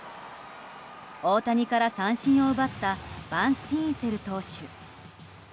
大谷から三振を奪ったバンスティーンセル投手。